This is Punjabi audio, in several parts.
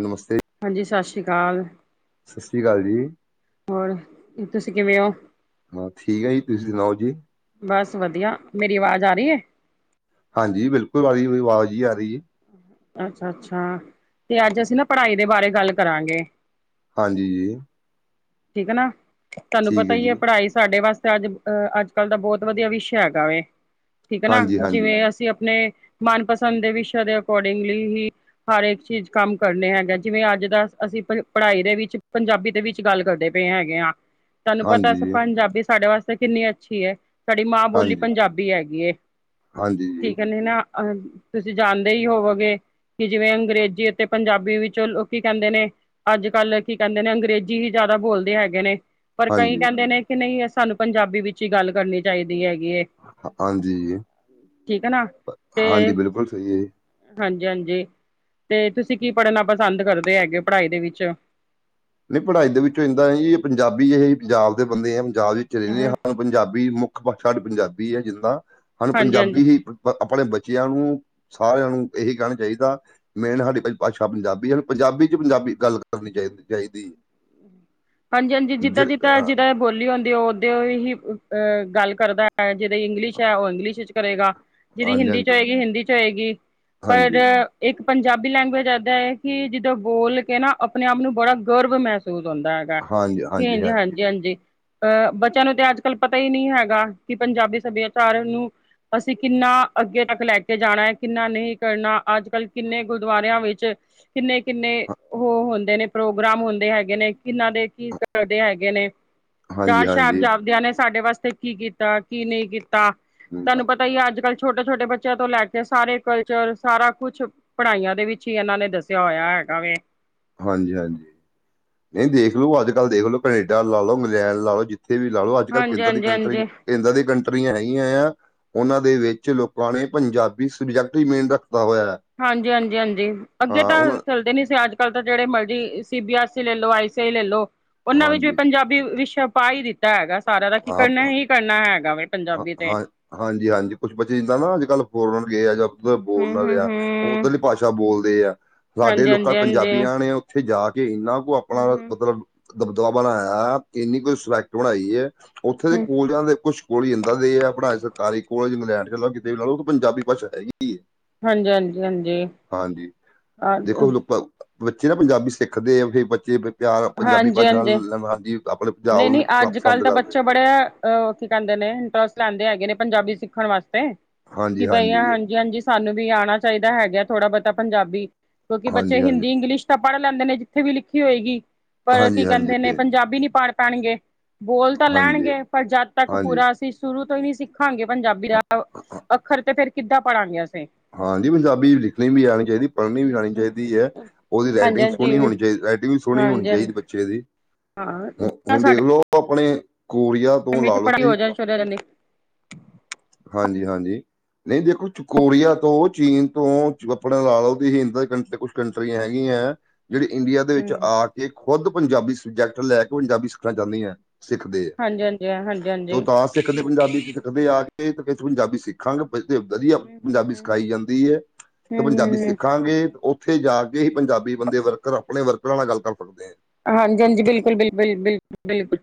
ਨਮਸਤੇ। ਹਾਂਜੀ, ਸਤਿ ਸ਼੍ਰੀ ਅਕਾਲ। ਸਤਿ ਸ਼੍ਰੀ ਅਕਾਲ ਜੀ। ਹੋਰ ਤੁਸੀਂ ਕਿਵੇਂ ਓਂ। ਠੀਕ ਐ ਜੀ, ਤੁਸੀਂ ਸੁਣਾਓ ਜੀ। ਬਸ ਵਧੀਆ, ਮੇਰੀ ਆਵਾਜ਼ ਆ ਰੀ ਐ। ਹਾਂਜੀ ਬਿਲਕੁਲ, ਆਹੀ ਆਵਾਜ਼ ਈ ਆ ਰਈ ਏ। ਅੱਛਾ ਅੱਛਾ ਤੇ ਅੱਜ ਅਸੀਂ ਨਾ ਪੜ੍ਹਾਈ ਦੇ ਬਾਰੇ ਗੱਲ ਕਰਾਂਗੇ। ਹਾਂਜੀ ਜੀ। ਠੀਕ ਐ ਨਾ ਤਾਨੂੰ ਠੀਕ ਪਤਾ ਹੈ ਈ, ਜੀ ਪੜ੍ਹਾਈ ਸਾਡੇ ਵਾਸਤੇ ਅੱਜ ਅਹ ਅੱਜ-ਕੱਲ੍ਹ ਦਾ ਬਹੁਤ ਵਧੀਆ ਵਿਸ਼ਾ ਹੈਗਾ ਵੇ, ਠੀਕ ਐ ਨਾ ਹਾਂਜੀ ਹਾਂਜੀ ਜਿਵੇਂ ਅਸੀਂ ਆਪਣੇ ਮਨਪਸੰਦ ਦੇ ਵਿਸ਼ਿਆਂ ਦੇ ਅਕੋਰਡਿੰਗਲੀ ਹੀ ਹਰ ਇੱਕ ਚੀਜ਼ ਕੰਮ ਕਰਨੇ ਹੈਗੇ ਜਿਵੇਂ ਅੱਜ ਦਾ ਅਸੀਂ ਪੜ੍ਹਾਈ ਦੇ ਵਿੱਚ, ਪੰਜਾਬੀ ਦੇ ਵਿੱਚ ਗੱਲ ਕਰਦੇ ਪਏ ਹੈਗੇ ਆਂ। ਤਾਨੂੰ ਪਤਾ ਹਾਂਜੀ ਜੀ ਪੰਜਾਬੀ ਸਾਡੇ ਵਾਸਤੇ ਕਿੰਨੀ ਅੱਛੀ ਐ ਸਾਡੀ ਮਾਂ ਬੋਲੀ ਹਾਂਜੀ ਪੰਜਾਬੀ ਹੈਗੀਐ। ਹਾਂਜੀ ਜੀ ਠੀਕ ਨਈਂ ਨਾ ਤੁਸੀਂ ਜਾਣਦੇ ਈ ਹੋਵੋਗੇ ਕਿ ਜਿਵੇਂ ਅੰਗਰੇਜ਼ੀ ਅਤੇ ਪੰਜਾਬੀ ਵਿੱਚੋਂ ਲੋਕੀ ਕੈਂਦੇ ਨੇ। ਅੱਜ-ਕੱਲ੍ਹ ਕੀ ਕੈਂਦੇ ਨੇ, ਅੰਗਰੇਜ਼ੀ ਹੀ ਜ਼ਿਆਦਾ ਬੋਲਦੇ ਹੈਗੇ ਨੇ। ਪਰ ਕਈ ਹਾਂਜੀ ਕੈਂਦੇ ਨੇ ਕਿ ਨਈਂ ਸਾਨੂੰ ਪੰਜਾਬੀ ਵਿੱਚ ਈ ਗੱਲ ਕਰਨੀ ਚਾਈਦੀ ਹੈਗੀ ਐ। ਹਾਂਜੀ, ਨਾ ਤੇ ਹਾਂਜੀ ਬਿਲਕੁਲ ਸਈ ਏ। ਹਾਂਜੀ ਹਾਂਜੀ ਤੇ ਤੁਸੀਂ ਕੀ ਪੜ੍ਹਨਾ ਪਸੰਦ ਕਰਦੇ ਹੈਗੇ ਪੜ੍ਹਾਈ ਦੇ ਵਿੱਚ। ਨਈਂ ਪੜ੍ਹਾਈ ਦੇ ਵਿੱਚੋਂ ਇਸ ਦਾ ਇਹੀਏ ਪੰਜਾਬੀ ਏ ਪੰਜਾਬ ਦੇ ਬੰਦੇ ਆਂ ਪੰਜਾਬ ਵਿਚ ਰੈਂਦੇ ਹਾਂਜੀ ਆਂ। ਪੰਜਾਬੀ ਮੁੱਖ ਭਾਸ਼ਾ ਸਾ ਡੀ ਪੰਜਾਬੀ ਹੈ ਜਿੱਦਾਂ ਹਾਣੂ ਹਾਂਜੀ ਪੰਜਾਬੀ ਹੀ ਆਪਣੇ ਬੱਚਿਆਂ ਨੂੰ ਸਾਰਿਆਂ ਨੂੰ ਇਹੀ ਕਹਿਣਾ ਚਾਈਦਾ ਮੇਨ ਹਾਡੀ ਭਾਸ਼ਾ ਪੰਜਾਬੀ ਆ ਪੰਜਾਬੀ ਚ ਪੰਜਾਬੀ ਗੱਲ ਕਰਨੀ ਚਾਈਦੀ ਚਾਈਦੀ ਐ। ਹਾਂਜੀ ਹਾਂਜੀ, ਜਿੱਦਾਂ ਜਿੱਦਾਂ ਜਿਹਦਾਂ ਬੋਲੀ ਹੁੰਦੀ ਉਹ ਓਦੇ ਓਹੀ ਅ ਗੱਲ ਕਰਦਾ ਐ, ਜਿਹਦੀ ਇੰਗਲਿਸ਼ ਹੈ ਉਹ ਇੰਗਲਿਸ਼ ਇੱਚ ਕਰੇਗਾ। ਜਿਹਦੀ ਹਿੰਦੀ ਚ ਹਾਂਜੀ ਹੋਏਗੀ ਹਿੰਦੀ ਚ ਹੋਏਗੀ ਪਰ ਹਾਂਜੀ ਹਾਂਜੀ ਇੱਕ ਪੰਜਾਬੀ ਲੈਂਗੁਏਜ ਇੱਦਾਂ ਐ ਕਿ ਜਿੱਦਾਂ ਬੋਲ ਕੇ ਨਾ ਆਪਣੇ ਆਪ ਨੂੰ ਬੜਾ ਗਰਵ ਮਹਿਸੂਸ ਹੁੰਦਾ ਐ। [unintelligible] ਹਾਂਜੀ ਹਾਂਜੀ। ਅਹ ਬੱਚਿਆਂ ਨੂੰ ਤੇ ਅੱਜ-ਕੱਲ੍ਹ ਪਤਾ ਈ ਨਈਂ ਹੈਗਾ ਕਿ ਪੰਜਾਬੀ ਸੱਭਿਆਚਾਰ ਨੂੰ ਅਸੀਂ ਕਿੰਨਾ ਅੱਗੇ ਤੱਕ ਲੈ ਕੇ ਜਾਣਾ ਐ ਕਿੰਨਾ ਨਈਂ ਕਰਨਾ, ਅੱਜ-ਕੱਲ੍ਹ ਕਿੰਨੇ ਗੁਰਦੁਆਰਿਆਂ ਵਿੱਚ ਕਿੰਨੇ-ਕਿੰਨੇ ਉਹ ਹੁੰਦੇ ਨੇ ਪ੍ਰੋਗਰਾਮ ਹੁੰਦੇ ਹੈਗੇ ਨੇ। ਕਿਨਾ ਦੇ ਕੀ ਕਰਦੇ ਹੈਗੇ ਨੇ ਹਾਂਜੀ ਚਾਰ ਹਾਂਜੀ ਸਾਹਿਬਜ਼ਾਪਦਿਆਂ ਨੇ ਸਾਡੇ ਵਾਸਤੇ ਕੀ ਕੀਤਾ, ਕੀ ਨਈਂ ਕੀਤਾ ਹਮ, ਤੁਹਾਨੂੰ ਹਾਂ- ਪਤਾ ਈ ਐ ਅੱਜ-ਕੱਲ੍ਹ ਛੋਟੇ-ਛੋਟੇ ਬੱਚਿਆਂ ਤੋਂ ਲੈ ਕੇ ਸਾਰੇ ਕਲਚਰ ਸਾਰਾ ਕੁਛ ਪੜ੍ਹਾਈਆਂ ਦੇ ਵਿੱਚ ਈ ਇਹਨਾਂ ਨੇ ਦੱਸਿਆ ਹੋਇਆ ਹੈਗਾ ਵੇ। ਹਾਂਜੀ ਹਾਂਜੀ, ਨਈਂ ਦੇਖਲੋ ਅੱਜ-ਕੱਲ੍ਹ ਦੇਖ ਲੋ, ਕੈਨੇਡਾ ਲਾ ਲਓ, ਇੰਗਲੈਂਡ ਲਾ ਲਓ ਜਿਥ ਇੱਥੇ ਵੀ ਲਾ ਲਓ ਅੱਜ-ਕੱਲ੍ਹ ਹਾਂਜੀ ਕੇਂਦਾ ਦੀ ਹਾਂਜੀ ਹਾਂਜੀ ਕੰਟਰੀ, ਐਦਾਂ ਦੀ ਕੰਟਰੀਆਂ ਹੈਗੀਆਂ ਆ। ਉਹਨਾਂ ਦੇ ਵਿੱਚ ਲੋਕਾਂ ਨੇ ਪੰਜਾਬੀ ਸਬਜੈਕਟ ਵੀ ਮੇਨ ਰੱਖਦਾ ਹੋਇਆ। ਹਾਂਜੀ ਹਾਂਜੀ ਹਾਂਜੀ, ਅੱਗੇ ਹਾਂ ਤਾਂ ਉਹਨਾਂ ਚੱਲਦੇ ਨੀ ਸੀ ਅੱਜ ਤਾਂ ਜਿਹੜੇ ਮਰਜ਼ੀ ਸੀ ਬੀ ਐਸ ਈ ਲੈ ਲਓ, ਆਈ ਸੀ ਆਈ ਲੈ ਲਓ, ਉਹਨਾਂ ਵਿੱਚ ਵੀ ਹਾਂਜੀ ਪੰਜਾਬੀ ਵੀ ਵਿਸ਼ ਪਾ ਹੀ ਦਿੱਤਾ ਹੈਗਾ ਸਾਰਿਆਂ ਦਾ, ਕਿ ਹਾਂ ਕਰਨਾ ਹੀ ਕਰਨਾ ਹੈਗਾ ਵ। ਹਾਂ ਹਾਂ, ਹਾਂਜੀ ਹਾਂਜੀ, ਕੁਛ ਬੱਚੇ ਜਦਾ ਨਾ ਅੱਜ ਕੱਲ੍ਹ ਫੋਰਨਰ ਗਏ ਆ ਜਾਂ ਉ ਹੂੰ ਹੂੰ ਬੋਲਨ ਆ ਹੂੰ ਉਹ ਉੱਧਰਲੀ ਭਾਸ਼ਾ ਬੋਲਦੇ ਆ, ਸਾਡੇ ਹਾਂਜੀ ਲੋਕਾਂ ਹਾਂਜੀ ਹਾਂਜੀ ਹੂੰ ਪੰਜਾਬੀਆਂ ਨੇ ਉੱਥੇ ਜਾ ਕੇ ਇੰਨਾ ਕੁ ਆਪਣਾ ਹੂੰ ਮਤਲਬ ਦਬਦਬਾ ਬਣਾਇਆ, ਇੰਨੀ ਕੋਈ ਸਜੈਕਟ ਬਣਾਈ ਹੈ ਉੱਥੇ ਦੇ ਹੂੰ ਸਕੂਲ ਜਾਂ, ਕੁਛ ਕੋਲ ਹੀ ਜਾਂਦਾ ਦੇ ਹੈ ਪੜ੍ਹਾਈ ਸਰਕਾਰੀ ਕੋਲ ਇੰਗਲੈਂਡ 'ਚ ਲੋਂ ਕਿਤੇ ਵੀ ਨਾਲ, ਉਹ ਪੰਜਾਬੀ ਭਾਸ਼ਾ ਹੈਗੀ। ਹੈ ਹਾਂਜੀ, ਹਾਂਜੀ ਹਾਂਜੀ। ਹਾਂਜੀ, ਦੇਖੋ ਹਾਂਜੀ ਹੁਣ ਬੱਚੇ ਨਾ ਪੰਜਾਬੀ ਸਿੱਖਦੇ ਆ, ਫਿਰ ਬੱਚੇ ਪਿਆਰ, ਪੰਜਾਬੀ ਭਾਸ਼ਾ, ਹਾਂਜੀ ਹਾਂਜੀ। ਆਪਣੇ ਨਹੀਂ ਪੰਜਾਬ ਨਹੀਂ, ਨੂੰ ਪਸੰ ਅੱਜ ਕੱਲ੍ਹ ਪਸੰਦ ਤਾਂ ਕਰਦੇ ਬੱਚਾ ਬੜੇ ਉਹ ਕੀ ਕਹਿੰਦੇ ਨੇ, ਇੰਟਰਸਟ ਲੈਂਦੇ ਹੈਗੇ ਨੇ ਪੰਜਾਬੀ ਸਿੱਖਣ ਵਾਸਤੇ, ਕਿ ਬਈ ਹਾਂਜੀ ਹਾਂਜੀ ਸਾਨੂੰ ਵੀ ਆਉਣਾ ਚਾਹੀਦਾ ਹੈਗਾ ਥੋੜਾ ਬਹੁਤਾ ਪੰਜਾਬੀ, ਕਿਉਂਕਿ ਬੱਚੇ ਹਾਂਜੀ ਹਾਂਜੀ ਹਿੰਦੀ ਇੰਗਲਿਸ਼ ਪੜ੍ਹ ਲੈਂਦੇ ਨੇ ਜਿੱਥੇ ਵੀ ਲਿਖੀ ਹੋਏਗੀ, ਪਰ ਹਾਂਜੀ ਕੀ ਕਹਿੰਦੇ ਨੇ ਹਾਂਜੀ ਪੰਜਾਬੀ ਨੀ ਪਾੜ ਪੈਣਗੇ। ਬੋਲ ਤਾਂ ਹਾਂਜੀ, ਲੈਣਗੇ, ਪਰ ਜਦ ਤੱਕ ਹਾਂਜੀ। ਪੂਰਾ ਅਸੀਂ ਸ਼ੁਰੂ ਤੋਂ ਹੀ ਨਹੀਂ ਸਿੱਖ ਸਿਖਾਂਗੇ ਪੰਜਾਬੀ ਦਾ ਹਾਂ- ਹਾਂ- ਅੱਖਰ, ਤੇ ਫੇਰ ਕਿੱਦਾਂ ਪੜਾਂਗੇ ਅਸੀਂ ਹਾਂਜੀ ਪੰਜਾਬੀ ਲਿਖਣੀ ਵੀ ਆਉਣੀ ਚਾਹੀਦੀ, ਪੜ੍ਹਨੀ ਵੀ ਹਾਂਜੀ ਆਉਣੀ ਚਾਹੀਦੀ ਹੈ। ਉਹਦੀ ਰਾਈਟਿੰਗ ਹਾਂਜੀ ਸੋਹਣੀ ਹੋਣੀ ਚਾਹੀਦੀ, ਰਾਈਟਿੰਗ ਵੀ ਸੋਹਣੀ ਹੋਣੀ ਹਾਂਜੀ ਚਾਹੀਦੀ ਬੱਚੇ ਦੀ। ਹਾਂ। ਹੁ ਹੁਣ ਦੇਖ ਲਓ, ਆਪਣੇ ਕੋਰੀਆ ਤੋਂ ਇਨੇ ਲਾ 'ਚ ਲਓ ਪੜ੍ਹਈ ਤੁਸੀਂ, ਹੋ ਜੇ, ਛੋਰਆ ਜਾਂਦੀ। ਹਾਂਜੀ, ਹਾਂਜੀ। ਨਹੀਂ ਦੇਖੋ ਕੋਰੀਆ ਤੋਂ, ਚੀਨ ਤੋਂ, ਆਪਣਾ ਲਾ ਲਉਂਦੀ ਤੁਸੀਂ ਇਜ ਦੇ ਕੰਟਰੀ ਕੁਛ ਕੰਟਰੀਆਂ ਹੈਗੀਆਂ ਹੈ। ਜਿਹੜੀ ਇੰਡੀਆ ਦੇ ਵਿੱਚ ਹਾਂਜੀ ਆ ਕੇ, ਖੁਦ ਪੰਜਾਬੀ ਸਬਜੈਕਟ ਲੈ ਕੇ ਪੰਜਾਬੀ ਸਿੱਖਣਾ ਚਾਹੁੰਦੀ ਹੈ। ਸਿੱਖਦੇ ਆ, ਹਾਂਜੀ ਹਾਂਜੀ ਉਹ ਹਾਂਜੀ ਤਾ ਸਿੱਖਦੇ ਆ ਪੰਜਾਬੀ ਆ ਕੇ, ਕਿਉਂਕਿ ਅਸੀਂ ਪੰਜਾਬੀ ਸਿੱਖਾਂਗੇ। ਵਧੀਆ ਹਮ ਹਮ ਪੰਜਾਬੀ ਸਿਖਾਈ ਹਮ ਜਾਂਦੀ ਹੈ, ਤੇ ਪੰਜਾਬੀ ਹਮ ਹਮ ਸਿੱਖਾਂਗੇ ੳਹ ਉੱਥੇ ਜਾ ਕੇ ਹੀ ਪੰਜਾਬੀ ਬੰਦੇ ਵਰਕਰ, ਆਪਣੇ ਵਰਕਰਾਂ ਨਾਲ ਗੱਲ ਕਰ ਸਕਦੇ ਹੈ। ਹਾਂਜੀ, ਹਾਂਜੀ ਬਿਲਕੁਲ, ਬਿਲਕੁਲ, ਬਿਲਕੁਲ, ਬਿਲਕੁਲ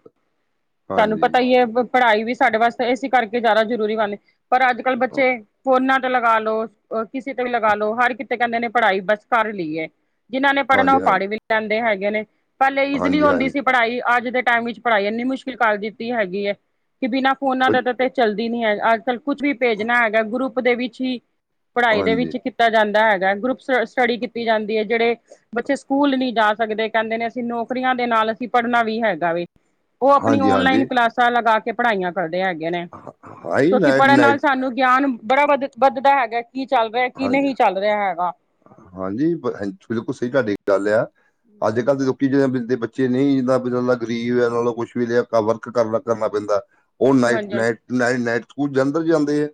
ਤਹਾਨੂੰ ਹਾਂਜੀ ਪਤਾ ਹੀ ਹੈ। ਪੜ੍ਹਾਈ ਵੀ ਸਾਡੇ ਵਾਸਤੇ ਇਸ ਕਰਕੇ ਜ਼ਿਆਦਾ ਜ਼ਰੂਰੀ ਬਣਦੀ, ਪਰ ਅੱਜ ਕੱਲ੍ਹ ਬੱਚੇ ਫੋਨਾਂ ਲਗਾ ਲਓ ਕਿਸੇ ਤੇ ਵੀ ਲਗਾ ਲਓ, ਹਰ ਕਿਤੇ ਕਹਿੰਦੇ ਨੇ ਪੜ੍ਹਾਈ ਬਸ ਕਰ ਲਈਏ। ਜਿਹਨਾਂ ਨੇ ਪੜ੍ਹਨਾ ਉਹ ਹਾਂਜੀ ਪੜ੍ਹ ਹਾਂਜੀ ਹੀ ਵੀ ਲੈਂਦੇ ਹੈਗੇ ਨੇ, ਪਹਿਲੇ ਈਜ਼ਲੀ ਹਾਂਜੀ ਹੁੰਦੀ ਹਾਂਜੀ ਸੀ। ਪੜ੍ਹਾਈ ਅੱਜ ਦੇ ਟਾਈਮ ਵਿੱਚ, ਪੜ੍ਹਾਈ ਇੰਨੀ ਮੁਸ਼ਕਿਲ ਕਰ ਦਿੱਤੀ ਹੈਗੀ ਹੈ, ਕਿ ਬਿਨਾਂ ਫੋਨਾ ਕੁਝ ਦੇ ਤਾਂ ਤੇ ਚੱਲ ਨਹੀਂ ਹੈ, ਅੱਜ ਕੱਲ ਕੁੱਛ ਵੀ ਭੇਜਣਾ ਹੈਗਾ, ਗਰੁੱਪ ਦੇ ਵਿੱਚ ਹੀ ਪੜ੍ਹਾਈ ਦੇ ਹਾਂਜੀ ਵਿੱਚ ਕੀਤਾ ਜਾਂਦਾ ਹੈਗਾ, ਗਰੁੱਪ ਸਟੱਡੀ ਕੀਤੀ ਜਾਂਦੀ ਹੈ, ਜਿਹੜੇ ਬੱਚੇ ਸਕੂਲ ਨਹੀਂ ਜਾ ਸਕਦੇ ਕਹਿੰਦੇ ਨੇ ਨੌਕਰੀਆਂ ਦੇ ਨਾਲ ਅਸੀਂ ਪੜ੍ਹਨਾ ਵੀ ਹੈਗਾ ਵੈ, ਉਹ ਆਪਣੀ ਹਾਂਜੀ ਔਨਲਾਈਨ ਹਾਂਜੀ ਕਲਾਸਾਂ ਲਗਾ ਕੇ ਪੜ੍ਹਾਈਆਂ ਕਰਦੇ ਹੈਗੇ ਨੇ, ਹਾਈ ਕਿਉਂਕਿ ਨਾਈਟ ਪੜ੍ਹਨ ਨਾਲ ਨਾਈਟ ਸਾਨੂੰ ਗਿਆਨ ਬੜਾ ਵੱਧ ਵੱਧਦਾ ਹੈਗਾ। ਕੀ ਚੱਲ ਰਿਹਾ, ਕੀ ਹਾਂਜੀ ਨਹੀਂ ਚੱਲ ਰਿਹਾ ਹੈਗਾ। ਹਾਂਜੀ, ਬਿਲਕੁਲ ਸਹੀ ਤੁਹਾਡੀ ਗੱਲ ਆ, ਅੱਜ ਕੱਲ੍ਹ ਦੇ ਕਿ ਜਿਾਂਦੇ ਬੱਚੇ ਨਹੀਂ ਜਿੱਦਾਂ ਦਾ ਗਰੀਬ ਹੈ, ਨਾਲੋਂ ਕੁੱਛ ਵੀ ਲਿਆ ਵਰਕ ਕਰਨਾ, ਕਰਨਾ ਪੈਂਦਾ। ਉਹ ਨਾਈਟ, ਹਾਂਜੀ ਨਾਈਟ, ਨਾਈਟ, ਨਾਈਟ ਸਕੂਲ ਜਧਰ ਜਾਂਦੇ ਹੈ।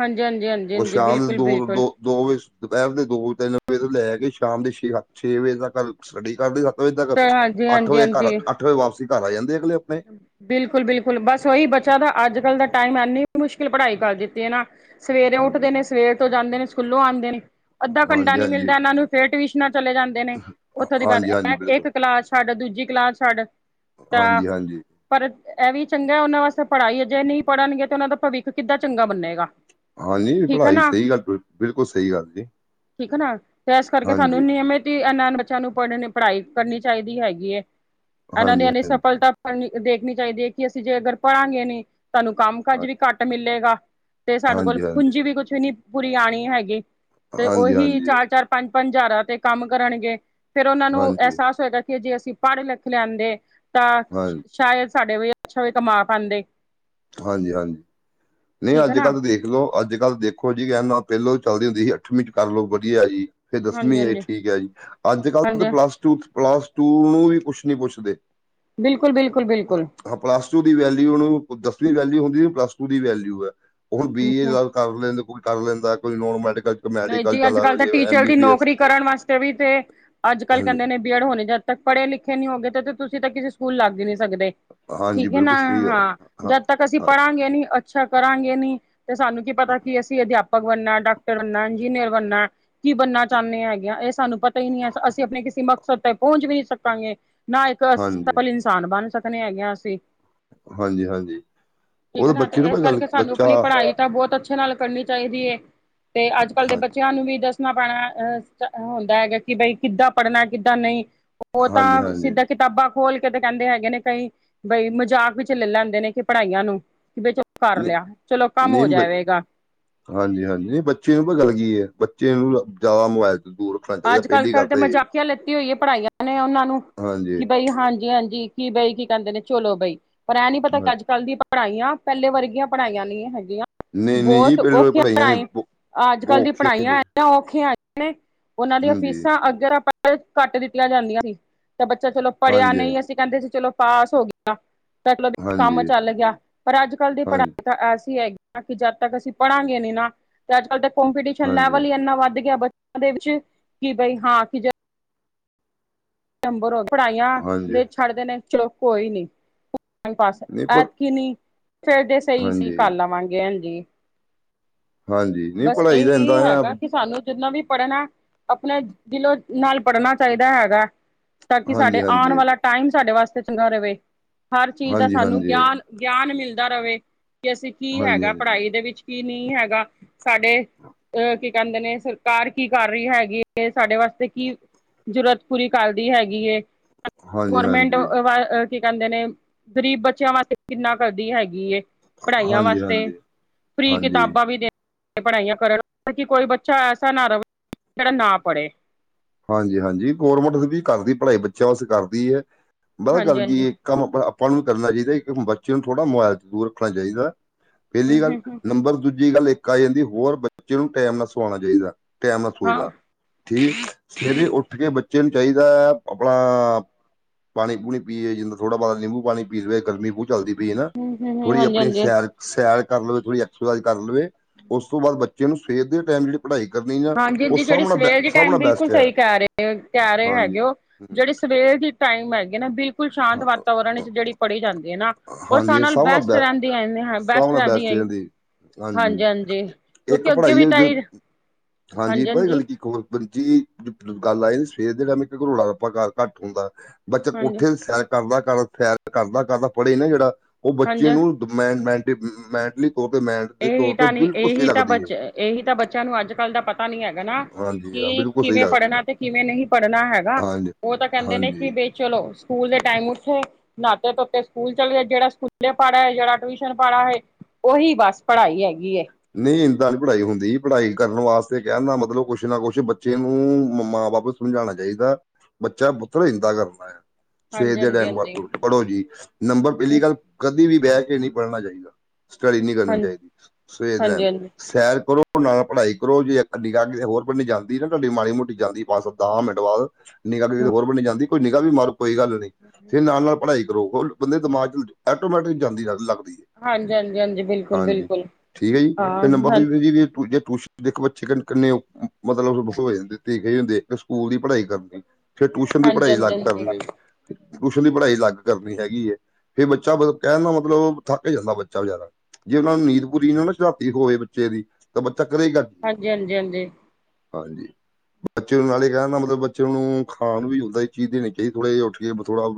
ਹਾਂਜੀ, ਹਾਂਜੀ, ਹਾਂਜੀ, ਹਾਂਜੀ ਬਿਲਕੁਲ, ਬਿਲਕੁਲ। ਦੋ ਵਜੇ ਦੁਪਹਿਰ ਦੇ ਦੋ ਵੇ ਤਿੰਨ ਵਜੇ ਤੋਂ ਲੈ ਕੇ ਸ਼ਾਮ ਦੇ ਛੇ, ਛੇ ਵਜੇ ਤੱਕ ਸਟੱਡੀ ਕਰਦੇ ਆ। ਓਹ ਹਾਂਜੀ ਅੱਠ ਹਾਂਜੀ ਵਜੇ ਘਰ, ਹਾਂਜੀ ਅੱਠ ਵਜੇ ਵਾਪਸੀ ਘਰ ਆ ਜਾਂਦੇ ਅਗਲੇ ਆਪਣੇ। ਬਿਲਕੁਲ, ਬਿਲਕੁਲ ਬਸ ਉਓਹੀ ਬੱਚਾ ਤਾਂ, ਅੱਜ ਕੱਲ੍ਹ ਦਾ ਟਾਈਮ ਇਨੀ ਮੁਸ਼ਕਿਲ ਪੜ੍ਹਾਈ ਕਰ ਦਿੱਤੀ ਹੈ ਨਾ ਸਵੇਰੇ ਹਾਂਜੀ ਉੱਠਦੇ ਨੇ ਸਵੇਰ ਤੋਂ ਜਾਂਦੇ ਨੇ ਸਕੂਲੋਂ ਆਉਂਦੇ ਨੇ, ਅੱਧਾ ਘੰਟਾ ਹਾਂਜੀ ਨੀ ਹਾਂਜੀ ਮਿਲਦਾ ਓਹਨਾਂ ਨੂੰ। ਫੇਰ ਟਿਊਸ਼ਨਾਂ ਚਲੇ ਜਾਂਦੇ ਨੇ ਉੱਥੋਂ ਦੀ ਬਾਅਦ ਹਾਂਜੀ ਹਾਂਜੀ ਬਿਲਕੁਲ ਇੱਕ ਕਲਾਸ ਛੱਡ, ਦੂਜੀ ਕਲਾਸ ਛੱਡ ਤਾਂ ਹਾਂਜੀ ਹਾਂਜੀ। ਪਰ ਇਹ ਵੀ ਚੰਗਾ ਉਹਨਾਂ ਵਾਸਤੇ ਪੜਾਈ ਅਜੇ ਨਹੀਂ ਪੜਨਗੇ ਤੇ ਉਹਨਾਂ ਦਾ ਭਵਿੱਖ ਕਿੱਦਾਂ ਚੰਗਾ ਬੰਨੇਗਾ। ਹਾਂਜੀ, ਠੀਕ ਹੈ ਪੜਾਈ ਨਾ ਸਹੀ ਗੱਲ ਬਿਲਕੁਲ ਸਹੀ ਗੱਲ ਜੇ। ਠੀਕ ਹੈ ਨਾ, ਤੇ ਇਸ ਕਰਕੇ ਸਾਨੂੰ ਨਿਯਮਿਤ ਹੀ ਅਨ ਬੱਚਿਆਂ ਨੂੰ ਪੜਣ ਪੜਾਈ ਕਰਨੀ ਚਾਹੀਦੀ ਹੈਗੀ ਏ, ਇਹਨਾਂ ਨੇ ਹਾਂਜੀ ਇਹਨੀ ਹਾਂਜੀ ਸਫਲਤਾ ਕਰਨ ਦੇਖਣੀ ਚਾਹੀਦੀ ਹੈ ਕਿ ਅਸੀਂ ਜੇ ਅਗਰ ਪੜਾਂਗੇ ਨੀ ਤੁਹਾਨੂੰ ਕੰਮ ਕਾਜ ਹਾਂ- ਵੀ ਘੱਟ ਮਿਲੇਗਾ। ਤੇ ਸਾਡੇ ਕੋਲ ਹਾਂਜੀ ਹਾਂਜੀ ਪੂੰਜੀ ਵੀ ਕੁਛ ਨੀ ਪੂਰੀ ਆਉਣੀ ਹੈਗੀ, ਤੇ ਹਾਂਜੀ ਉਹੀ ਹਾਂਜੀ ਚਾਰ- ਚਾਰ ਪੰਜ- ਪੰਜ ਹਜਾਰਾਂ ਤੇ ਕੰਮ ਕਰਨਗੇ ਫੇਰ ਉਹਨਾਂ ਨੂੰ ਹਾਂਜੀ ਅਹਿਸਾਸ ਹੋਏਗਾ। ਕਿ ਜੇ ਅਸੀਂ ਪੜ- ਲਿਖ ਲਿਆਦੇ ਤਾਂ ਸ਼ਾਇਦ ਸਾਡੇ ਵੀ ਅੱਛਾ ਵੀ ਕਮਾ ਪਾਉਂਦੇ। ਹਾਂਜੀ-ਹਾਂਜੀ। ਨੀ ਠੀਕ ਹੈ ਅੱਜ ਨਾ ਕੱਲ ਤਾਂ ਦੇਖ ਲੋ ਅੱਜ ਕੱਲ ਦੇਖੋ ਜੀ ਕਹਿ ਨਾ ਪਹਿਲੋਂ ਚੱਲਦੀ ਹੁੰਦੀ ਸੀ, ਅੱਠਵੀਂ ਚ ਕਰਲੋ ਵਧੀਆ ਜੀ। ਫੇਰ ਹਾਂਜੀ ਦਸਵੀਂ ਹੈ ਜੀ ਹਾਂਜੀ ਠੀਕ ਹੈ ਜੀ, ਅੱਜ ਕੱਲ ਹਾਂਜੀ ਪਲੱਸ ਟੂ, ਪਲੱਸ ਟੂ ਨੂੰ ਵੀ ਕੁਛ ਨੀ ਪੁੱਛਦੇ। ਬਿਲਕੁਲ- ਬਿਲਕੁਲ, ਬਿਲਕੁਲ। ਹਾਂ ਪਲੱਸ ਟੂ ਦੀ ਵੈਲਿਊ ਉਹਨੂੰ ਦਸਵੀਂ ਵੈਲਿਊ ਹੁੰਦੀ ਪਲੱਸ ਟੂ ਦੀ ਵੈਲਿਊ ਹੈ, ਹੁਣ ਬੀ ਏ ਕਰ ਲੈਂਦੇ ਕੋਈ ਕਰ ਲੈਂਦਾ ਆ, ਕੋਈ ਨੋਨ ਮੈਡੀਕਲ ਚ ਨਹੀਂ ਮੈਡੀਕਲ ਜੀ ਚ ਅੱਜ ਕੱਲ ਲੱਗ ਤਾਂ ਜੇ ਐਮ ਟੀਚਰ ਬੀ ਦੀ ਬੀ ਐਸ ਨੌਕਰੀ ਕਰਨ ਵਾਸਤੇ ਵੀ ਤੇ ਅੱਜ ਕੱਲ ਹਾਂਜੀ ਕਹਿੰਦੇ ਨੇ ਬੀ ਐਡ ਹੋਣੇ ਜਦ ਤੱਕ ਪੜੇ ਲਿਖੇ ਨਹੀਂ ਹੋ ਗਏ ਤਾਂ ਤੁਸੀਂ ਤਾਂ ਕਿਸੇ ਸਕੂਲ ਲੱਗ ਹੀ ਨਹੀਂ ਸਕਦੇ। ਹਾਂਜੀ ਠੀਕ ਹੈ ਨਾ, ਬਿਲਕੁਲ ਸਹੀ ਗੱਲ ਹਾਂ ਹੈ। ਜਦ ਤੱਕ ਅਸੀਂ ਹਾਂ, ਪੜਾਂਗੇ ਨੀ ਅੱਛਾ ਕਰਾਂਗੇ ਨੀ, ਤੇ ਸਾਨੂੰ ਕੀ ਪਤਾ ਕੀ ਅਸੀਂ ਅਧਿਆਪਕ ਬਣਨਾ, ਡਾਕਟਰ ਬਣਨਾ, ਇੰਜੀਨੀਅਰ ਬਣਨਾ। ਕੀ ਬਣਨਾ ਚਾਹੁੰਨੇ ਹੈਗੇ ਆ ਇਹ ਸਾਨੂੰ ਪਤਾ ਹੀ ਨਹੀਂ ਹੈ, ਅਸੀਂ ਆਪਣੇ ਕਿਸੇ ਮਕਸਦ ਤੇ ਪਹੁੰਚ ਵੀ ਨਹੀਂ ਸਕਾਂਗੇ। ਨਾ ਇੱਕ ਹਾਂਜੀ ਸਫਲ ਇਨਸਾਨ ਬਣ ਸਕਦੇ ਹੈਗੇ ਆ ਅਸੀਂ। ਹਾਂਜੀ ਹਾਂਜੀ ਉਹ ਠੀਕ ਹੈ ਤਾਂ ਨਾ, ਤੇ ਬੱਚੇ ਨੂੰ ਇਸ ਭਾਈ ਗੱਲ ਕਰਕੇ ਸਾਨੂੰ ਬੱਚਾ ਆਪਣੀ ਪੜਾਈ ਤਾਂ ਬਹੁਤ ਅੱਛੇ ਨਾਲ ਕਰਨੀ ਚਾਹੀਦੀ ਹੈ ਤੇ ਅੱਜ ਕੱਲ ਦੇ ਹਾਂ- ਬੱਚਿਆਂ ਨੂੰ ਵੀ ਦੱਸ ਸਣਾ ਪੈਣਾ, ਅਹ ਹੁੰਦਾ ਹੈਗਾ ਕਿ ਬਈ ਕਿੱਦਾਂ ਪੜਨਾ, ਕਿੱਦਾਂ ਨਹੀਂ ਉਹ ਹਾਂਜੀ ਤਾਂ ਹਾਂਜੀ ਸਿੱਧਾ ਕਿਤਾਬਾਂ ਖੋਲ ਕੇ ਤੇ ਕਹਿੰਦੇ ਹੈਗੇ ਨੇ ਕਈ, ਬਈ ਮਜ਼ਾਕ ਵਿੱਚ ਲੈ ਲੈਂਦੇ ਨੇ ਕਿ ਪੜਾਈਆਂ ਨੂੰ, ਕਿ ਬ- ਕਰ ਨਹੀਂ ਲਿਆ, ਚਲੋ ਕੰਮ ਨਹੀਂ ਹੋ ਬ- ਜਾਵੇਗਾ। ਹਾਂਜੀ- ਹਾਂਜੀ ਨੀ ਬੱਚੇ ਨੂੰ ਪ ਗਲ ਕੀ ਹੈ ਬੱਚੇ ਨੂੰ ਜ਼ਿਆਦਾ ਮੋਬਾਇਲ ਤੋਂ ਦੂਰ ਰ- ਅੱਜ ਕੱਲ ਕੱਲ ਤੇ ਮਜ਼ਾਕੀਆਂ ਲੈਤੀ ਹੋਈ ਹੈ ਪੜਾਈਆਂ ਨੇ ਉਹਨਾਂ ਨੂੰ, ਹਾਂਜੀ ਕਿ ਬਈ ਹਾਂਜੀ- ਹਾਂਜੀ। ਕੀ ਬਈ ਕੀ ਕਹਿੰਦੇ ਨੇ ਚਲੋ ਬਈ ਪਰ ਐਂ ਨੀ ਪਤਾ ਅੱਜ ਹਾਂਜੀ ਕੱਲ ਦੀ ਪ- ਪੜਾਈਆਂ ਪਹਿਲੇ ਵਰਗੀਆਂ ਪੜਾਈਆਂ ਨਹੀਂ ਹੈਗੀਆਂ। ਨਹੀਂ ਨਹੀਂ ਜੀ ਬਹੁਤ ਪਹਿਲੋਂ ਔਖਿਆ ਪੜ੍ਹਾਈਆਂ ਨੇ ਪੜਾਈ ਬਹੁ ਅੱਜ ਕੱਲ ਬਹੁਤ ਦੀ ਔਖੀਆਂ ਨੇ। ਪੜਾਈਆਂ ਔਖੀ ਆਈਆਂ ਨੇ ਉਹਨਾਂ ਦੀਆਂ ਹਾਂਜੀ ਫੀਸਾਂ ਅੱਗਰ ਆਪਾਂ ਘੱਟ ਦਿੱਤੀਆਂ ਜਾਂਦੀਆਂ ਸੀ, ਤੇ ਬੱਚਾ ਚਲੋ ਪੜਿਆ ਹਾਂਜੀ ਨਹੀਂ ਅਸੀਂ ਕਹਿੰਦੇ ਸੀ ਚਲੋ ਪਾਸ ਹੋ ਗੇ- ਮਤਲਬ ਕੰਮ ਹਾਂਜੀ ਚੱਲ ਗਿਆ ਪਰ ਅੱਜ ਕੱਲ ਦੀ ਹਾਂਜੀ ਪੜਾਈ ਤਾਂ ਅਸੀ ਹੈਗੇ ਕਿ ਜਦ ਤੱਕ ਅਸੀਂ ਪੜਾਂਗੇ ਨੀ ਨਾ ਤੇ ਅੱਜ ਕੱਲ ਤਾਂ ਕੋਂਪੀਟੀਸ਼ਨ ਲੈਵਲ ਹਾਂਜੀ ਹੀ ਇੰਨਾ ਵੱਧ ਗਿਆ ਬੱਚਿਆਂ ਦੇ ਵਿੱਚ, ਕਿ ਬਈ ਹਾਂ ਕਿ ਅੰਬਰ ਹੋ, ਪੜਾਈਆਂ ਹਾਂਜੀ ਦੇ ਛੱਡਦੇ ਨੇ ਚਲੋ ਕੋਈ ਨੀ। ਪਾਸ ਨਹੀਂ ਪਰ ਐਤਕੀ ਨੀ ਫੇਰ ਦੇ ਸਹੀ ਸੀ ਹਾਂਜੀ ਕਰ ਆਵਾਂਗੇ ਹਾਂਜੀ। ਹਾਂਜੀ ਨਹੀਂ ਬਸ ਪੜ੍ਹਾਈ ਦਾ ਇਹੀ ਇੱਦਾਂ ਆ ਹੈਗਾ ਕਿ ਸਾਨੂੰ ਜਿੰਨਾ ਵੀ ਪੜਨਾ ਹੈ। ਆਪਣੇ ਦਿਲੋਂ ਨਾਲ ਪੜਨਾ ਚਾਹੀਦਾ ਹੈਗਾ, ਤਾਂ ਕਿ ਹਾਂਜੀ ਸਾਡੇ ਆਉਣ ਹਾਂਜੀ ਵਾਲਾ ਟਾਈਮ ਸਾਡੇ ਵਾਸਤੇ ਚੰਗਾ ਰਵੇ, ਹਰ ਚੀਜ਼ ਦਾ ਹਾਂਜੀ ਹਾਂਜੀ ਸਾਨੂੰ ਹਾਂਜੀ ਗਿਆਨ- ਗਿਆਨ ਮਿਲਦਾ ਰਵੇ। ਕਿ ਅਸੀਂ ਕੀ ਹਾਂਜੀ ਹੈਗਾ ਪੜਾਈ ਦੇ ਵਿੱਚ, ਕੀ ਨੀ ਹੈਗਾ। ਸਾਡੇ ਅਹ ਕੀ ਕਹਿੰਦੇ ਨੇ ਸਰਕਾਰ ਕੀ ਕਰ ਰਹੀ ਹੈਗੀ ਹੈ ਸਾਡੇ ਵਾਸਤੇ ਕੀ ਜ਼ਰੂਰਤ ਪੂਰੀ ਕਰ ਦੀ ਹੈਗੀ ਏ ਹਾਂਜੀ ਗੌਰਮੈਂਟ ਹਾਂਜੀ ਵ ਕੀ ਕਹਿੰਦੇ ਨੇ ਗ਼ਰੀਬ ਬੱਚਿਆਂ ਵਾਸਤੇ ਕਿੰਨਾ ਕਰਦੀ ਹੈਗੀ ਏ ਪੜ੍ਹਾਈਆਂ ਵਾਸਤੇ ਹਾਂਜੀ ਫ੍ਰਰੀ ਹਾਂਜੀ ਕਿਤਾਬਾਂ ਵੀ ਦੇ ਪੜ੍ਹਾਈਆਂ ਕਰਨ ਕਿ ਕੋਈ ਬੱਚਾ ਐਸਾ ਨਾ ਰਹੇ ਜਿਹੜਾ ਨਾ ਪੜ੍ਹੇ ਹਾਂਜੀ ਹਾਂਜੀ ਗੌਰਮੈਂਟ ਵੀ ਕਰਦੀ ਪੜ੍ਹਾਈ ਬੱਚਿਆਂ ਵਾਸਤੇ ਕਰਦੀ ਹੈ ਪਤਾ ਹਾਂਜੀ ਗੱਲ ਹਾਂਜੀ ਕੀ ਕੰਮ ਆਪ ਆਪਾਂ ਨੂੰ ਵੀ ਕਰਨਾ ਚਾਹੀਦਾ ਇੱਕ ਬੱਚੇ ਨੂੰ ਥੋੜ੍ਹਾ ਮੋਬਾਇਲ ਤੋ ਦੂਰ ਰੱਖਣਾ ਚਾਹੀਦਾ ਪਹਿਲੀ ਹੂੰ ਗੱਲ ਹੂੰ ਨੰਬਰ ਦੂਜੀ ਗੱਲ ਇੱਕ ਆ ਜਾਂਦੀ ਹੋਰ ਬੱਚੇ ਨੂੰ ਟਾਈਮ ਨਾਲ ਸਵਾਉਣਾ ਚਾਹੀਦਾ ਟੈਮ ਨਾ ਸੋ ਹਾਂ ਜਾ ਠੀਕ ਸਵੇਰੇ ਉੱਠ ਕੇ ਬੱਚੇ ਨੂੰ ਚਾਹੀਦਾ ਹੈ ਆਪਣਾ ਪਾਣੀ ਪੂਣੀ ਪੀਏ ਜਿਦਾ ਥੋੜਾ ਬੋਤ ਨਿੰਬੂ ਪਾਣੀ ਪੀ ਲਵੇ ਗਰਮੀ ਚੱਲਦੀ ਪਈ ਹਨਾ ਹੂੰ ਹੂੰ ਥੋੜ੍ਹੀ ਹਾਂਜੀ ਆਪਣੀ ਹਾਂਜੀ ਸੈਰ ਸੈਰ ਕਰ ਲਵੇ ਥੋੜ੍ਹੀ ਸਧਾਈ ਕਰ ਲਵੇ ਉਸ ਤੋਂ ਬਾਅਦ ਬੱਚੇ ਨੂੰ ਸਵੇਰ ਦੇ ਟਾਈਮ ਜਿਹੜੇ ਪੜ੍ਹਾਈ ਕਰਨੀ ਆ ਹਾਂਜੀ ਉਹ ਜੀ ਜਿਹੜੀ ਸਾਹਮਣਾ ਬ ਸਵੇਰ ਦੀ ਟਾਈਮ ਸਾਹਮਣਾ ਬੈਸ ਬਿਲਕੁਲ ਸਹੀ ਕਹਿ ਰਹੇ ਕਹਿ ਰਹੇ ਹੈਗੇ ਉਹ ਹਮ, ਜਿਹੜੇ ਸਵੇਰੇ ਦੀ ਟਾਈਮ ਹੈਗੇ ਨਾ ਬਿ ਬਿਲਕੁਲ ਸ਼ਾਂਤ ਵਾਤਾਵਰਨ ਵਿੱਚ ਹਾਂ- ਜਿਹੜੀ ਪੜ੍ਹੀ ਜਾਂਦੀ ਹੈ ਨਾ ਉਹ ਹਾਂਜੀ ਸ ਇਹ ਨਾਲੋ ਸਭ ਬੈਸਟ ਬੈ ਰਹਿੰਦੀ ਨਾਲ ਬੈਸਟ ਰਹਿੰਦੀ ਹਾਂਜੀ ਇੱਕ ਕਿਉਂਕਿ ਅੱਗੇ ਪੜ੍ਹਾਈ ਵੀ ਹੈ ਤਾਂ ਜੋ ਹਾਂਜੀ ਹਾਂਜੀ ਪਤਾ ਗੱਲ ਕੀ ਹਾਂਜੀ ਗੱਲ ਆਈ ਨ ਸਵੇਰ ਦੇ ਟਾਈਮ ਚ ਰੌਲਾ ਰਪਾ ਘਰ ਘੱਟ ਹੁੰਦਾ ਬੱਚੇ ਹਾਂਜੀ ਸੈਰ ਕਰਦਾ ਕਰ ਸੈਰ ਕਰਦਾ ਕਰਦਾ ਪੜ੍ਹੇ ਨਾ ਜਿਹੜਾ ਉਹ ਹਾਂਜੀ ਬੱਚੇ ਨੂੰ [unintelligible] ਇਹੀ ਤੇ ਤਾਂ ਨਹੀਂ ਬਿਲਕੁਲ ਸਹੀ ਇਹੀ ਤਾਂ ਲੱਗਦੀ ਹੈ ਬੱਚ ਇਹੀ ਤਾਂ ਬੱਚਿਆਂ ਨੂੰ ਅੱਜ ਕੱਲ ਦਾ ਪਤਾ ਨਹੀਂ ਹੈਗਾ ਨਾ ਹਾਂਜੀ ਹਾਂ ਕਿ ਬਿਲਕੁਲ ਸਹੀ ਕਿਵੇਂ ਲੱਗਦੀ ਪੜ੍ਹਨਾ ਤੇ ਕਿਵੇਂ ਨਹੀਂ ਪੜ੍ਹਨਾ ਹੈਗਾ ਹਾਂਜੀ ਉਹ ਤਾਂ ਕਹਿੰਦੇ ਨੇ ਹਾਂਜੀ ਕਿ ਚਲੋ! ਸਕੂਲ ਦੇ ਟਾਈਮ ਉਠੋ ਨਹਾਤੇ ਧੋਤੇ ਸਕੂਲ ਚਲੇ ਗਏ। ਜਿਹੜਾ ਸਕੂਲੇ ਪੜ੍ਹ ਆਏ ਹੈ, ਤੇ ਜਿਹੜਾ ਟਿਊਸ਼ਨ ਪੜ੍ਹ ਆਏ, ਉਹੀ ਬਸ। ਪੜ੍ਹਾਈ ਹੈਗੀ ਏ ਨਹੀਂ, ਇੰਦਾ ਨੀ ਪੜ੍ਹਾਈ ਹੁੰਦੀ। ਪੜ੍ਹਾਈ ਕਰਨ ਵਾਸਤੇ ਕਹਿਣ ਦਾ ਮਤਲਬ ਕੁਛ ਨਾ ਕੁਛ ਬੱਚੇ ਨੂੰ ਮਾ ਬਾਪ ਸਮਝਾਣਾ ਚਾਹੀਦਾ ਹੈ ਕਿ ਬੱਚਾ ਪੁੱਤਰ ਇਦਾ ਕਰਨਾ ਸਵੇਰ ਹਾਂਜੀ ਦੇ ਹਾਂਜੀ ਟਾਈਮ ਹਾਂਜੀ ਪੜ੍ਹੋ ਜੀ ਨੰਬਰ ਹਾਂਜੀ ਪਹਿਲੀ ਗੱਲ ਕਦੇ ਵੀ ਬਹਿ ਕੇ ਨਹੀਂ ਪੜ੍ਹਨਾ ਚਾਹੀਦਾ ਸਟੱਡੀ ਨਹੀਂ ਕਰਨੀ ਹਾਂਜੀ ਚਾਹੀਦੀ, ਸਵੇਰੇ ਹਾਂਜੀ ਸੈਰ ਕਰੋ, ਨਾਲ ਪੜ੍ਹਾਈ ਵੀ ਕਰੋ। ਜੇ ਨਿਗ੍ਹਾ ਕੀਤੇ ਹੋਰ ਬਣੇ ਜਾਂਦੀ ਤਾਡੀ ਮਾੜੀ ਮੋਟੀ ਜਾਂਦੀ ਦਸ ਮਿੰਟ ਬਾਅਦ ਨਿਗਾਹ ਹੋਰ ਪਾਸੇ ਵੀ ਮਾਰ ਲਿਆ ਕਰੋ। ਕੋਈ ਗੱਲ ਨਹੀਂ, ਫਿਰ ਨਾਲ-ਨਾਲ ਦੁਬਾਰਾ ਪੜ੍ਹਾਈ ਸ਼ੁਰੂ ਕਰ ਲਓ। ਇਸ ਤਰ੍ਹਾਂ ਪੜ੍ਹਾਈ ਕਰੋ ਬੰਦੇ ਦੇ ਦਿਮਾਗ ਚ ਆਟੋਮੈਟਿਕ ਜਾਂਦੀ ਗਲ ਲਗਦੀ ਹਾਂਜੀ, ਹਾਂਜੀ, ਬਿਲਕੁਲ-ਬਿਲਕੁਲ। ਠੀਕ ਹੈ ਜੀ, ਫਿਰ ਨੰਬਰ [unintelligible] ਦੇਖੋ, ਬੱਚੇ ਕਿੰਨੇ ਮਤਲਬ ਕੁਛ ਹੋ ਜਾਂਦੇ ਸਕੂਲ ਦੀ ਪੜ੍ਹਾਈ ਕਰਨੀ ਫਿਰ ਟਿਊਸ਼ਨ ਦੀ ਹਾਂਜੀ ਪੜ੍ਹਾਈ ਹਾਂਜੀ ਅਲੱਗ ਹਾਂਜੀ ਕਰਨੀ। ਟਿਊਸ਼ਨ ਦੀ ਪੜ੍ਹਾਈ ਅਲਗ ਕਰਨੀ ਹੈਗੀ ਹੈ। ਫਿਰ ਬੱਚਾ ਕਹਿਣ ਦਾ ਮਤਲਬ ਥੱਕ ਜਾਂਦਾ ਬਚਾ ਬਿਚਾਰਾ ਜੇ ਉਨਾ ਨੇ ਨੀਂਦ ਨੀਂਦ ਪੂਰੀ ਨਾ ਹੋਵੇ ਰਾਤੀ ਬੱਚੇ ਦੀ ਤਾਂ ਬੱਚਾ ਕਦੇ ਹਾਂਜੀ, ਹਾਂਜੀ, ਹਾਂਜੀ ਹਾਂਜੀ ਬੱਚੇ ਨੂੰ ਨਾਲ ਕਹਨਾ ਬੱਚੇ ਨੂੰ ਖਾਣ ਨੂੰ ਉਦਾ ਦੀ ਚੀਜ ਦੇਨੀ ਚਾਹੀਦੀ ਥੋੜਾ ਉੱਠ ਕੇ